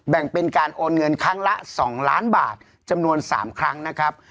แบ่งเป็นการโอนเงินครั้งละ๒ล้านบาทจำนวน๓ครั้งนะครับ